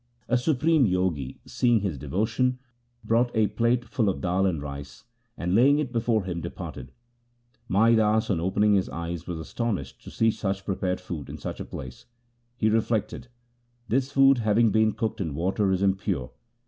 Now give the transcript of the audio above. A supreme Jogi, seeing his devotion, brought a plate full of dal and rice, and laying it before him de parted. Mai Das on opening his eyes was astonished to see prepared food in such a place. He reflected, ' This food having been cooked in water is impure.